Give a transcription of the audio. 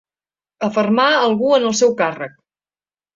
Afermar algú en el seu càrrec.